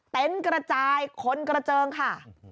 เต็นต์กระจายคนกระเจิงค่ะ